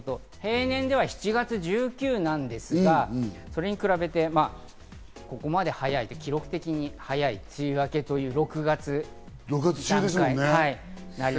平年では７月１９日なんですが、ここまで早い、記録的に早い梅雨明け、６月という段階。